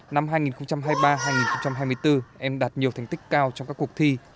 năm hai nghìn hai mươi ba hai nghìn hai mươi bốn em đạt nhiều thành tích cao trong các cuộc thi